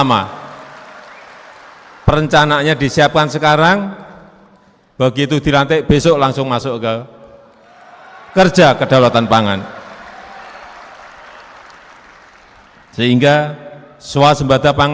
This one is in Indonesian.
mencapai dua puluh yang itu seperti tingkat tert heightened tan